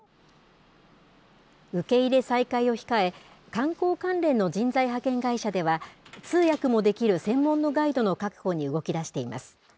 受け入れ再開を控え、観光関連の人材派遣会社では、通訳もできる専門のガイドの確保に動きだしています。